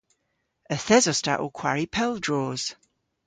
Yth esos ta ow kwari pel droos.